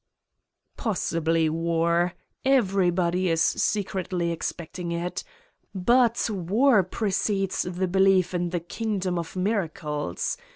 "Possibly war. Everybody is secretly expect ing it. But war precedes the belief in the king dom of miracles.